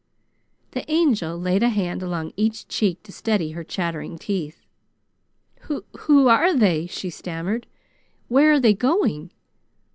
The Angel laid a hand along each cheek to steady her chattering teeth. "Who are they?" she stammered. "Where are they going?"